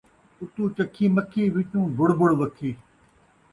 اُتو چکھی مکھی وچوں بُڑ بُڑ وَکھی